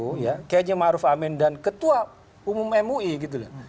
kayaknya ma'ruf amin dan ketua umum mui gitu loh